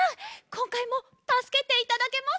こんかいもたすけていただけますか？